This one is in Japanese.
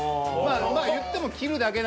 いっても切るだけなんで。